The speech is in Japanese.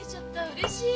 うれしい！